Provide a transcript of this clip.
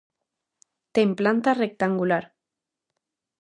Ten planta rectangular.